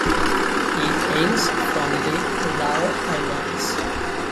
He hails from the Lau Islands.